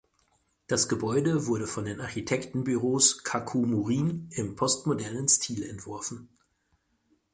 Das Gebäude wurde von den Architektenbüros "Kaku Morin" im postmodernen Stil entworfen.